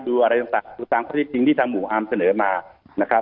ดูมีอะไรต่างพี่จิงที่ทำหัวอำเสนอมานะครับ